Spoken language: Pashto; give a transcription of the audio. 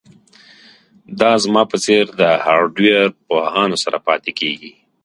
دا زما په څیر د هارډویر پوهانو سره پاتې کیږي